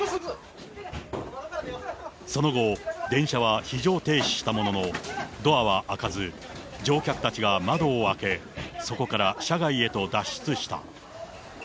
その後、電車は非常停止したものの、ドアは開かず、乗客たちが窓を開け、そこから車外へと脱出した。